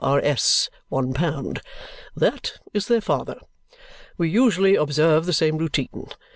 R.S., one pound. That is their father. We usually observe the same routine.